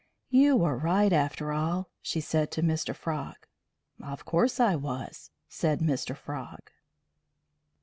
"You were right, after all," she said to Mr. Frog. "Of course I was," said Mr. Frog.